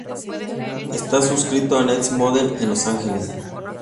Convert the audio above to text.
Está suscrito a Next Models en Los Ángeles.